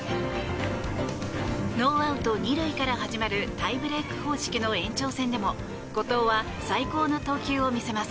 ノーアウト２塁から始まるタイブレーク方式の延長戦でも後藤は最高の投球を見せます。